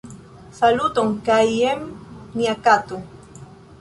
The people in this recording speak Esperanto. Saluton kaj jen nia kato